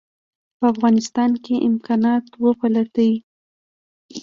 په افغانستان کې امکانات وپلټي.